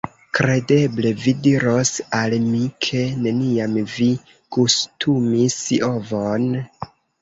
Kredeble vi diros al mi ke neniam vi gustumis ovon?